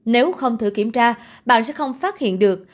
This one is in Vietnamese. nếu không thử kiểm tra bạn sẽ không phát hiện được